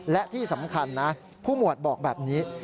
และที่สำคัญนะผู้หมวดบอกแบบนี้